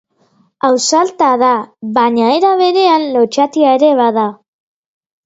Ausarta da baina era berean lotsatia ere bada.